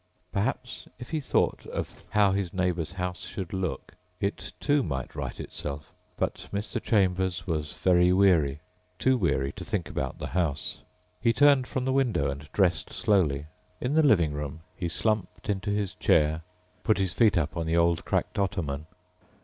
Perhaps if he thought of how his neighbor's house should look, it too might right itself. But Mr. Chambers was very weary. Too weary to think about the house. He turned from the window and dressed slowly. In the living room he slumped into his chair, put his feet on the old cracked ottoman.